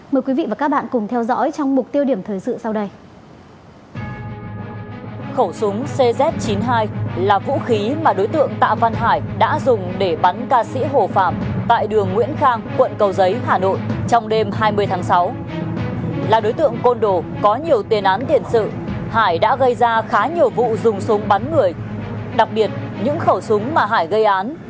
mời quý vị và các bạn cùng theo dõi trong mục tiêu điểm thời sự sau đây